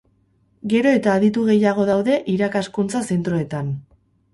gero eta aditu gehiago daude irakaskuntza zentroetan